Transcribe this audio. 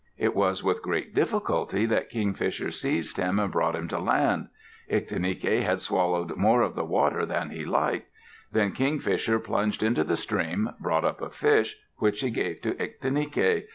It was with great difficulty that Kingfisher seized him and brought him to land. Ictinike had swallowed more of the water than he liked. Then Kingfisher plunged into the stream, brought up a fish, which he gave to Ictinike.